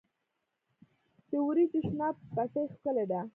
د وریجو شنه پټي ښکلي دي.